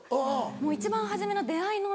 もう一番初めの出合いのお店で。